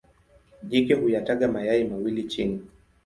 Jike huyataga mayai mawili chini.